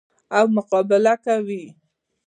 او مقابله کوي.